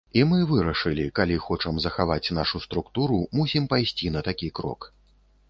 І мы вырашылі, калі хочам захаваць нашу структуру, мусім пайсці на такі крок.